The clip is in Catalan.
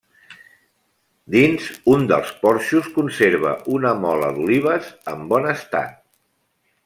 Dins un dels porxos conserva una mola d'olives en bon estat.